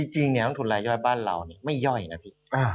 จริงนักทุนรายย่อยบ้านเราไม่ย่อยนะพี่